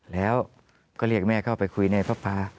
แล้วก็เรียกแม่เข้าไปคุยในพระปา